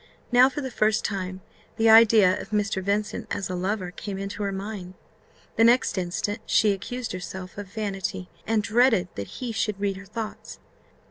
Now for the first time the idea of Mr. Vincent as a lover came into her mind: the next instant she accused herself of vanity, and dreaded that he should read her thoughts.